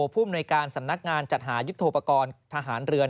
ภูมิหน่วยการสำนักงานจัดหายุทธโปรกรณ์ทหารเรือน